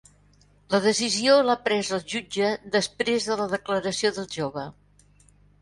La decisió l'ha pres el jutge després de la declaració del jove